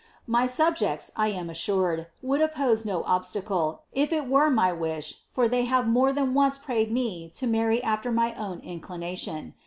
My subjeeis, I am assured, would oppose no obstacle, if il were my wish, for they have more than once prayed me to marry after my own inclination.